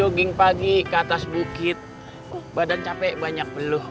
jogging pagi ke atas bukit badan capek banyak beluh